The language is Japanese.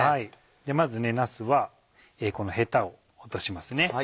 まずなすはこのヘタを落としますね。